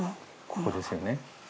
ここですよね。